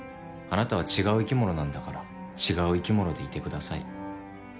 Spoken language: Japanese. あなたは違う生き物なんだから違う生き物でいてください。